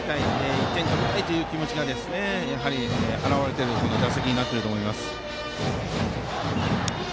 １点取りたいという気持ちが表れている打席になっていると思います。